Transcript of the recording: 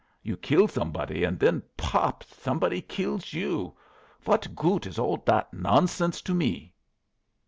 You kill somebody, und then, pop! somebody kills you. What goot is all that nonsense to me?"